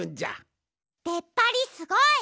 でっぱりすごい！